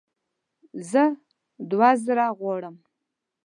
زه دوه زره غواړم